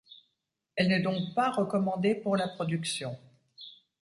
Elle n'est donc pas recommandée pour la production.